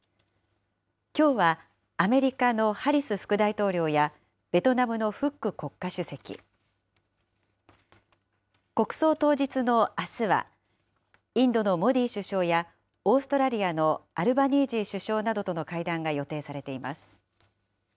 きょうはアメリカのハリス副大統領や、ベトナムのフック国家主席、国葬当日のあすは、インドのモディ首相やオーストラリアのアルバニージー首相などとの会談が予定されています。